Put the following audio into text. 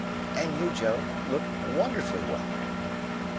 "And you, Joe, look wonderfully well."